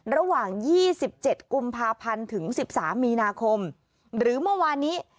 ระหว่าง๒๗กุมภาพันธ์ถึง๑๓มีนาคมหรือเมื่อวานนี้